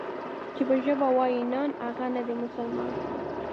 چې په ژبه وای نان، هغه نه دی مسلمان.